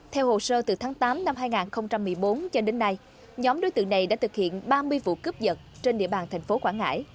theo hồ sơ từ tháng tám năm hai nghìn một mươi bốn cho đến nay nhóm đối tượng này đã thực hiện ba mươi vụ cướp dật trên địa bàn thành phố quảng ngãi